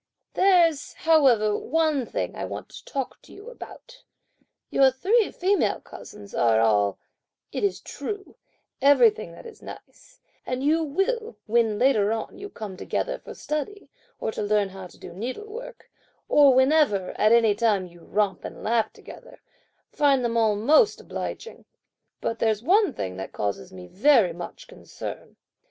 There's, however, one thing I want to talk to you about. Your three female cousins are all, it is true, everything that is nice; and you will, when later on you come together for study, or to learn how to do needlework, or whenever, at any time, you romp and laugh together, find them all most obliging; but there's one thing that causes me very much concern.